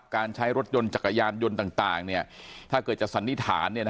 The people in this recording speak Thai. การใช้รถยนต์จักรยานยนต์ต่างถ้าเกิดจะสันนิษฐาน